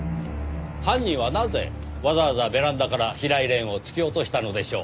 犯人はなぜわざわざベランダから平井蓮を突き落としたのでしょう？